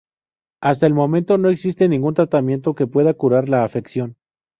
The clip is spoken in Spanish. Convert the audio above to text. Hasta el momento no existe ningún tratamiento que pueda curar la afección.